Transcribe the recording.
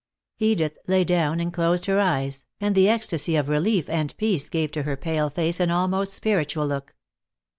Edith lay down and closed her eyes, and the ecstasy of relief and peace gave to her pale face an almost spiritual look.